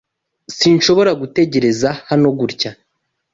Sinshobora gutegereza hano gutya.